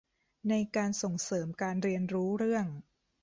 ในการส่งเสริมการเรียนรู้เรื่อง